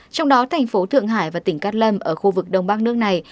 trong đó thành phố thượng hải và tỉnh cát lâm ở khu vực đông bắc nước này